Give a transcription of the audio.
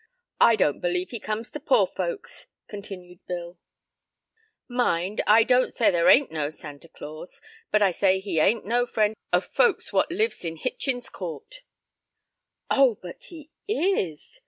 "I don't believe he comes to poor folks," continued Bill; "mind, I don't say there ain't no Santa Claus; but I say he ain't no friend o' folks what lives in Hitchen's court." "Oh, but he is.